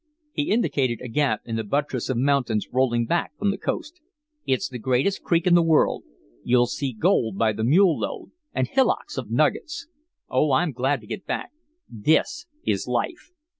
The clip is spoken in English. He indicated a gap in the buttress of mountains rolling back from the coast. "It's the greatest creek in the world. You'll see gold by the mule load, and hillocks of nuggets. Oh, I'm glad to get back. THIS is life.